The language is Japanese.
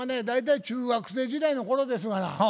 大体中学生時代の頃ですがな